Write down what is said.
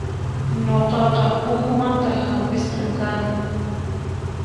Nuqaqa uhumanta hampisqa kani.